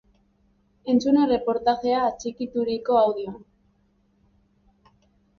Entzun erreportajea atxikituriko audioan!